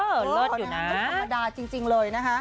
เลิศอยู่นะไม่ธรรมดาจริงเลยนะคะ